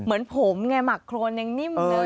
เหมือนผมไงหมักโครนยังนิ่มเลย